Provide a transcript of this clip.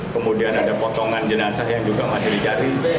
kemudian ada potongan jenazah yang juga masih dicari